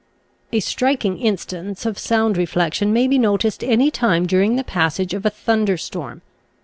A striking instance of sound reflection may be noticed any time during the passage of a thunderstorm.